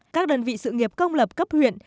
các đơn vị sự nghiệp công lập cấp huyện